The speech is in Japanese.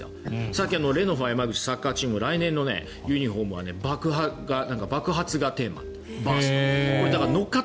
さっき、レノファ山口サッカーチーム来年のユニホームは爆発がテーマなんですって。